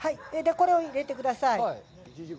これを入れてください。